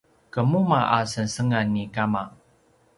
qemuma a sengsengan ni kama